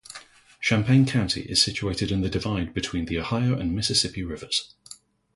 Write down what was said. Champaign County is situated on the divide between the Ohio and Mississippi Rivers.